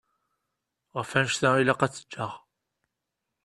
Ɣef wannect-a ilaq ad tt-ǧǧeɣ.